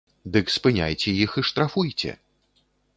Дык спыняйце іх і штрафуйце!